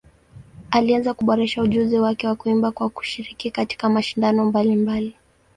Alianza kuboresha ujuzi wake wa kuimba kwa kushiriki katika mashindano mbalimbali.